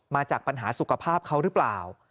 มาจากปัญหาสุขภาพเขาหรือเปล่า